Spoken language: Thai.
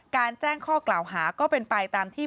แจ้งข้อกล่าวหาก็เป็นไปตามที่